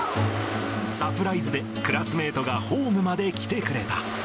サプライズでクラスメートがホームまで来てくれた。